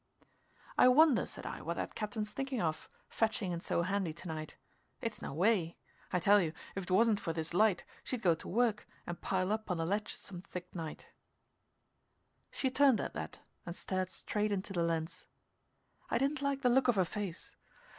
"I wonder," said I, "what that captain's thinking of, fetching in so handy to night. It's no way. I tell you, if 'twasn't for this light, she'd go to work and pile up on the ledge some thick night " She turned at that and stared straight into the lens. I didn't like the look of her face.